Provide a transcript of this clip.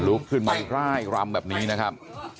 ลุกขึ้นมาร่ายรำแบบนี้นะครับ